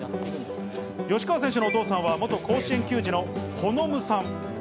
吉川選手のお父さんは、元甲子園球児の好さん。